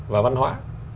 và văn hóa